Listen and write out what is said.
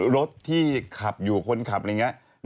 รถที่ขับอยู่คนขับหรือไง